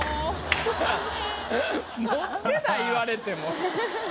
言われても。